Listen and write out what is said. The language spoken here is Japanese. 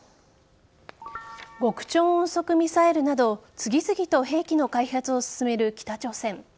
極超音速ミサイルなど次々と兵器の開発を進める北朝鮮。